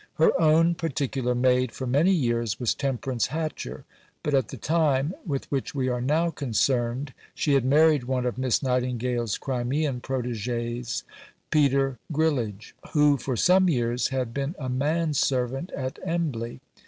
Her own particular maid for many years was Temperance Hatcher; but at the time with which we are now concerned she had married one of Miss Nightingale's Crimean protégés, Peter Grillage, who for some years had been a manservant at Embley.